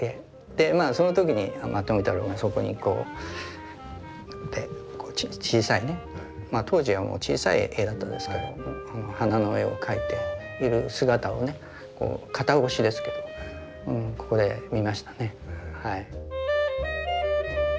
その時に富太郎がそこに小さいね当時は小さい絵だったですけど花の絵を描いている姿をね肩越しですけどここで見ましたね。